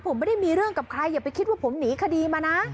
ผมไม่ได้มีเรื่องกับใครอย่าไปคิดว่าผมหนีคดีมานะ